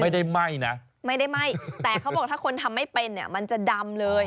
ได้ไหม้นะไม่ได้ไหม้แต่เขาบอกถ้าคนทำไม่เป็นเนี่ยมันจะดำเลย